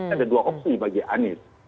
ada dua opsi bagi anies